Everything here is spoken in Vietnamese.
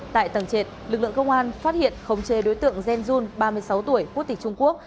tại tầng trệt lực lượng công an phát hiện không chê đối tượng jen jun ba mươi sáu tuổi quốc tịch trung quốc